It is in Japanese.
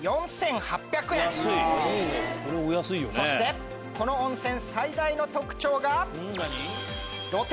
そしてこの温泉最大の特徴が。